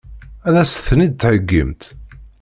Ad as-ten-id-theggimt?